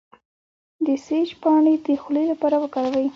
د سیج پاڼې د خولې لپاره وکاروئ